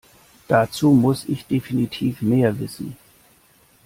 Dazu muss ich definitiv mehr wissen.